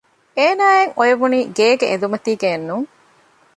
އޭނާއަށް އޮވެވުނީ ގޭގެ އެނދުމަތީގައެއް ނޫން